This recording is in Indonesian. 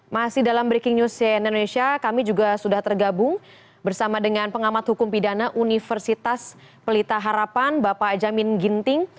masih dalam breaking news cnn indonesia kami juga sudah tergabung bersama dengan pengamat hukum pidana universitas pelita harapan bapak jamin ginting